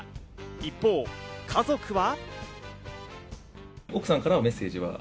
一方、家族は？